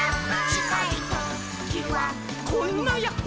「ちかいときはこんなヤッホ」